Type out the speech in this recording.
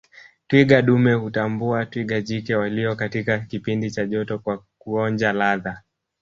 Twiga dume hutambua twiga jike walio katika kipindi cha joto kwa kuonja ladha